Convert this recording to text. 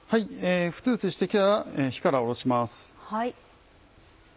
ふつふつして来たら火から下ろします。